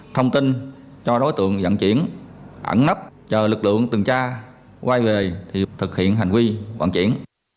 thông tin cho đối tượng dặn chuyển ẩn nấp chờ lực lượng từng tra quay về thì thực hiện hành vi vận chuyển